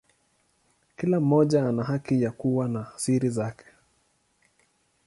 Kila mmoja ana haki ya kuwa na siri zake.